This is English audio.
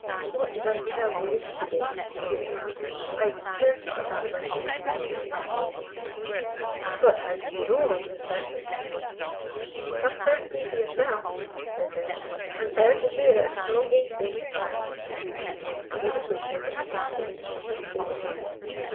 "What did I tell you yesterday?" he remarked. "I was certain that that letter was more than an idle warning. But how do you know that an attempt has been made?" "Come, sir, and see for yourself," said Bent. "I am sorry to say there is no gainsaying the fact." A moment later they had reached the entrance to the stable yard.